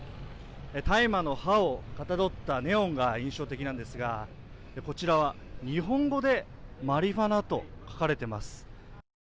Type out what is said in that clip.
大麻の葉をかたどったネオンが印象的なんですが、こちらは、日本語で「マリファナ」と書かれてます。